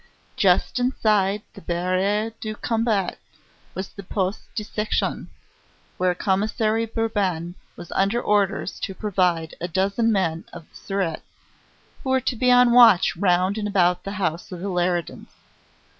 Just inside the Barriere du Combat was the Poste de Section, where Commissary Burban was under orders to provide a dozen men of the Surete, who were to be on the watch round and about the house of the Leridans.